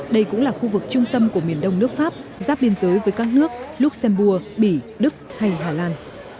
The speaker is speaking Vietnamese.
đây cũng là khu vực trung tâm của miền đông nước pháp giáp biên giới với các nước luxembourg bỉ đức hay hà lan